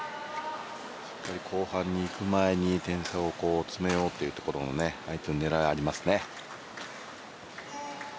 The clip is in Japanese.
しっかり後半にいく前に点差を詰めようというところの狙いがありますね。